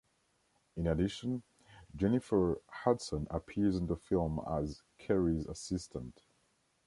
In addition, Jennifer Hudson appears in the film as Carrie's assistant.